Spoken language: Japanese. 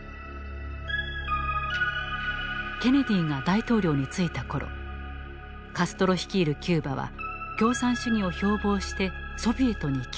ケネディが大統領に就いた頃カストロ率いるキューバは共産主義を標榜してソビエトに急接近。